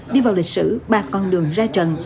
đi vào lịch sử ba con đường ra trận